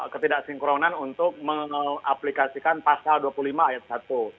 ketidaksinkronan untuk mengaplikasikan pasal dua puluh lima ayat satu